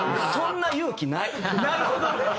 なるほどね。